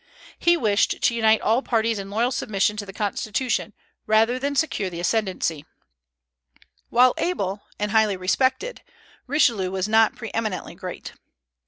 He wished to unite all parties in loyal submission to the constitution, rather than secure the ascendency of any. While able and highly respected, Richelieu was not pre eminently great.